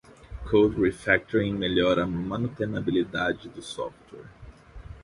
Code Refactoring melhora a manutenibilidade do software.